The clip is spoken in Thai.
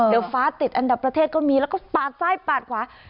เดี๋ยวฟ้าติดอันดับประเทศก็มีแล้วก็ปาดซ้ายปาดขวา